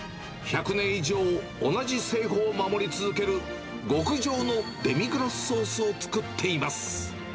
１００年以上、同じ製法を守り続ける、極上のデミグラスソースを作っています。